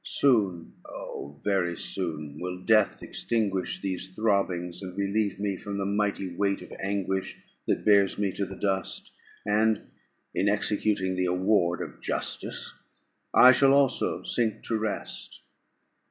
Soon, oh! very soon, will death extinguish these throbbings, and relieve me from the mighty weight of anguish that bears me to the dust; and, in executing the award of justice, I shall also sink to rest.